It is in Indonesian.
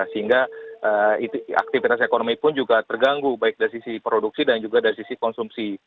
sehingga aktivitas ekonomi pun juga terganggu baik dari sisi produksi dan juga dari sisi konsumsi